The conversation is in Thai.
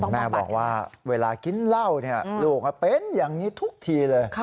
แม่บอกว่าเวลากินเหล้าลูกเป็นอย่างนี้ทุกทีเลย